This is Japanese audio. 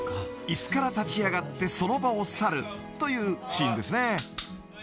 ［椅子から立ち上がってその場を去るというシーンですね］